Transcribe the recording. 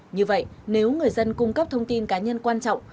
như vậy nếu người dân cung cấp thông tin cá nhân quan trọng